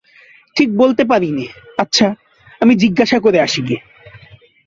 ঠিক বলতে পারি নে–আচ্ছা, আমি জিজ্ঞাসা করে আসি গে।